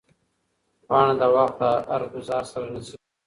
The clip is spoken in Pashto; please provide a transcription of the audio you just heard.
پاڼه د وخت له هر ګوزار سره نڅېږي.